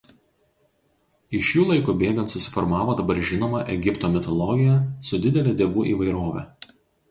Iš jų laikui bėgant susiformavo dabar žinoma Egipto mitologija su didele dievų įvairove.